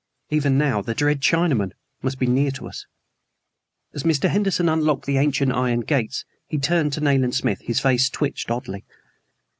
Even now the dread Chinaman must be near to us. As Mr. Henderson unlocked the ancient iron gates he turned to Nayland Smith. His face twitched oddly.